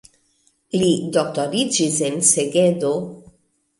Li doktoriĝis en Segedo.